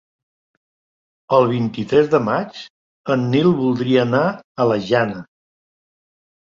El vint-i-tres de maig en Nil voldria anar a la Jana.